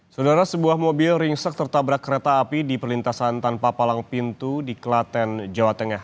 saudara sebuah mobil ringsek tertabrak kereta api di perlintasan tanpa palang pintu di klaten jawa tengah